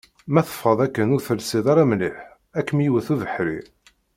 Ma teffɣeḍ akken ur telsiḍ ara mliḥ, ad kem-iwet ubeḥri.